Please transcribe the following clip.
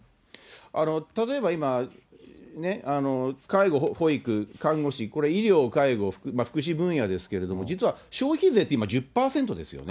例えば今、介護、保育、看護師、これ、医療、介護、福祉分野ですけれども、実は消費税って今、１０％ですよね。